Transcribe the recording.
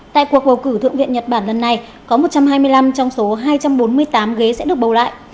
tại cuộc bầu cử thượng viện nhật bản lần này có một trăm hai mươi năm trong số hai trăm bốn mươi tám ghế sẽ được bầu lại